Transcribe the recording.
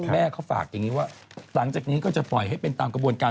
แม่เขาฝากอย่างนี้ว่าหลังจากนี้ก็จะปล่อยให้เป็นตามกระบวนการ